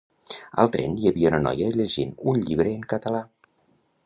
Al tren hi havia una noia llegint un llibre en català